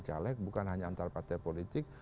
caleg bukan hanya antar partai politik